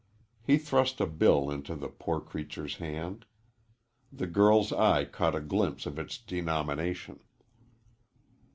He thrust a bill into the poor creature's hand. The girl's eye caught a glimpse of its denomination.